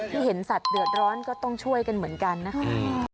ที่เห็นสัตว์เดือดร้อนก็ต้องช่วยกันเหมือนกันนะคะ